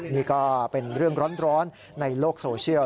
นี่ก็เป็นเรื่องร้อนในโลกโซเชียล